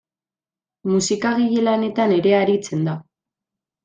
Musikagile lanetan ere aritzen da.